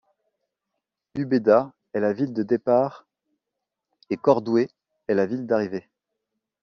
Úbeda est la ville de départ et Cordoue est la ville d'arrivée.